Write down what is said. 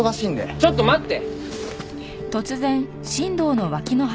ちょっと待って！